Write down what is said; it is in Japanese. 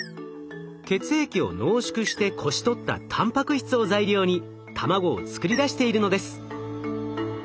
血液を濃縮してこし取ったたんぱく質を材料に卵を作り出しているのです。